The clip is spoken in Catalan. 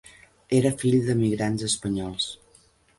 Era fill d'emigrants espanyols.